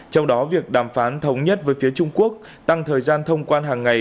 trong đó việc đàm phán thống nhất với phía trung quốc tăng thời gian thông quan hàng ngày